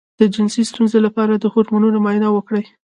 د جنسي ستونزې لپاره د هورمونونو معاینه وکړئ